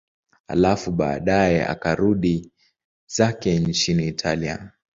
Halafu baadaye akarudi zake nchini Italia.